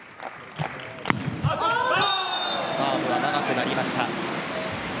サーブは長くなりました。